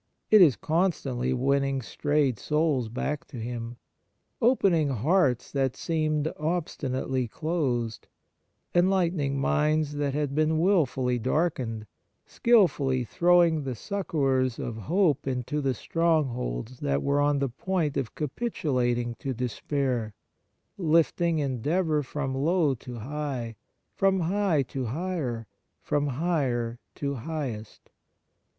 It is constantly winning strayed souls back to Him, opening hearts that seemed obstinatefy closed, enlightening 26 Kindness minds that had been wilfully darkened, skilfully throwing the succours of hope into the strongholds that were on the point of capitulating to despair, lifting endeavour from low to high, from high to higher, from higher to highest.